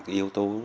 cái yếu tố